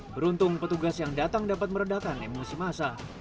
beruntung petugas yang datang dapat meredakan emosi masa